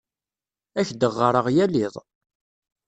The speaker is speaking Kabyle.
Ad ak-d-ɣɣareɣ yal iḍ.